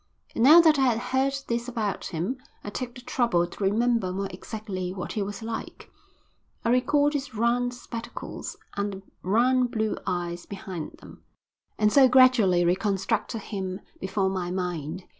And now that I had heard this about him I took the trouble to remember more exactly what he was like. I recalled his round spectacles and the round blue eyes behind them, and so gradually reconstructed him before my mind.